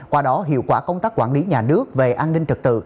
qua đó hiệu quả công tác quản lý nhà nước về an ninh trật tự